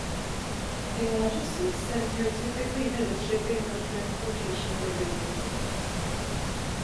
A logistics center typically has a shipping or transportation division.